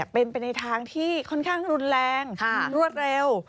เป็นไปในทางที่ค่อนข้างรุนแรงรวดเร็ว